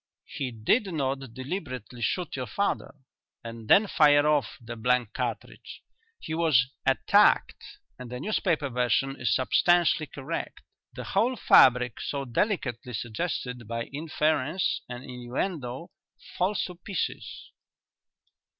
He did not deliberately shoot your father and then fire off the blank cartridge. He was attacked and the newspaper version is substantially correct. The whole fabric so delicately suggested by inference and innuendo falls to pieces."